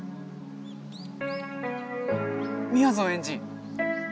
みやぞんエンジ。